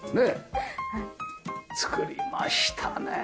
作りましたねえ。